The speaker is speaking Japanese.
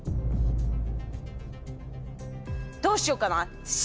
どうしようかな。